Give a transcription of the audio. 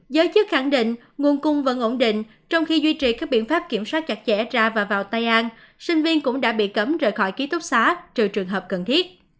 giới chức khẳng định nguồn cung vẫn ổn định trong khi duy trì các biện pháp kiểm soát chặt chẽ ra và vào tay an sinh viên cũng đã bị cấm rời khỏi ký túc xá trừ trường hợp cần thiết